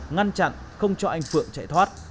ngăn chặn không cho anh phượng chạy thoát